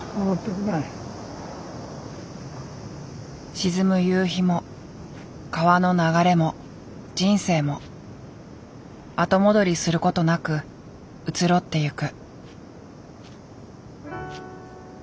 沈む夕日も川の流れも人生も後戻りすることなく移ろってゆく。